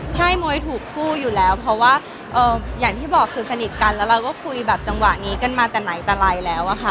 ใช่โมยถูกคู่อยู่แล้วเพราะว่าอย่างที่บอกคือสนิทกันแล้วเราก็คุยแบบจังหวะนี้กันมาแต่ไหนแต่ไรแล้วอะค่ะ